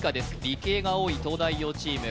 理系が多い東大王チーム